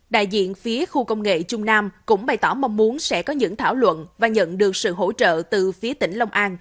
đại diện phía khu công nghệ trung nam cũng bày tỏ mong muốn sẽ có những thảo luận và nhận được sự hỗ trợ từ phía tỉnh long an